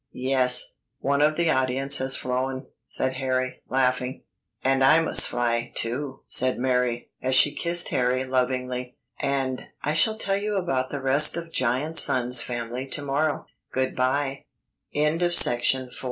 "Yes; one of the audience has flown," said Harry, laughing. "And I must fly, too," said Mary, as she kissed Harry lovingly. "And I shall tell you about the rest of Giant Sun's family to morrow. Good by." STORY OF JUPITER AND HIS MOONS.